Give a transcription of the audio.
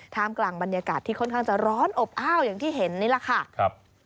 กลางบรรยากาศที่ค่อนข้างจะร้อนอบอ้าวอย่างที่เห็นนี่แหละค่ะครับ